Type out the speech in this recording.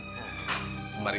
tapi rumana belum pulang